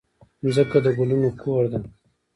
مځکه د ګلونو کور ده.